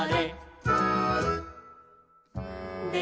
で